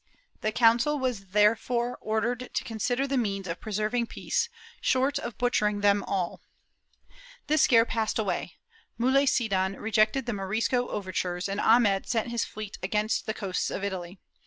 The Council was therefore ordered to consider the means of pre serving peace, short of butchering them all,^ This scare passed away; Muley Cidan rejected the Morisco overtures, and Ahmed sent his fleet against the coasts of Italy.